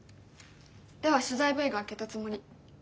では取材Ｖが明けたつもり。